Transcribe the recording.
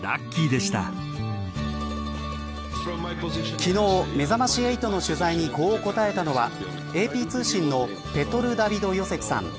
昨日めざまし８の取材にこう答えたのはＡＰ通信のペトル・ダビド・ヨセクさん